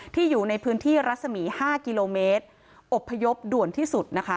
อยู่ในพื้นที่รัศมี๕กิโลเมตรอบพยพด่วนที่สุดนะคะ